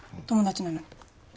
友達なのに。